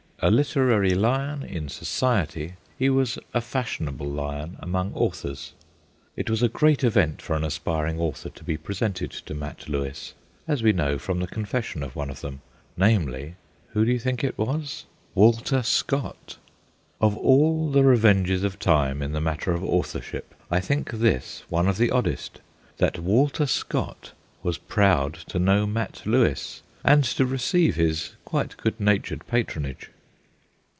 A literary lion in 'Society/ he was a fashionable lion among authors. It was a great event for an aspiring author to be presented to Mat Lewis, as we know from the confession of one of them, namely who do you think it was ? Walter Scott. Of all the revenges of time in the matter of authorship I think this one of the oddest that Walter Scott was proud to know Mat Lewis, and to receive his quite good natured patronage.